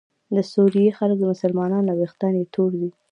د سوریې خلک مسلمانان او ویښتان یې تور دي.